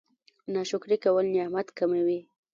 ناشکري کول نعمت کموي